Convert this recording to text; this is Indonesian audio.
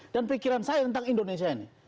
pikiran saya tentang indonesia ini